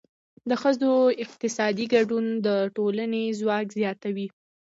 د ښځو اقتصادي ګډون د ټولنې ځواک زیاتوي.